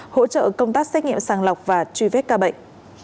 hỗ trợ công tác xét nghiệm sàng lọc và truy vết ca bệnh